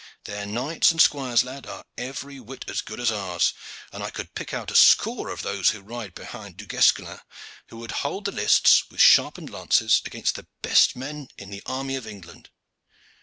Their knights and squires, lad, are every whit as good as ours, and I could pick out a score of those who ride behind Du Guesclin who would hold the lists with sharpened lances against the best men in the army of England.